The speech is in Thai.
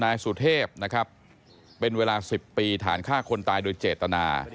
นายสุเทพนะครับเป็นเวลา๑๐ปีฐานฆ่าคนตายโดยเจตนา